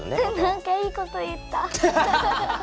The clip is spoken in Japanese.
何かいい事言った。